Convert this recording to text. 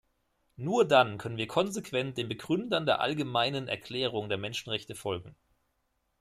Nur dann können wir konsequent den Begründern der Allgemeinen Erklärung der Menschenrechte folgen.